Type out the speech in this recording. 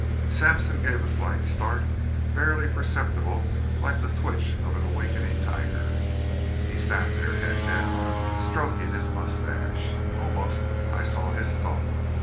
Sampson gave a slight start, barely perceptible like the twitch of an awakening tiger. He sat there, head down, stroking his mustache. Almost I saw his thought.